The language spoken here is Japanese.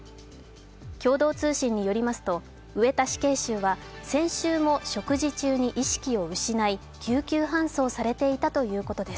共同通信によりますと上田死刑囚は先週も食事中に意識を失い救急搬送されていたということです。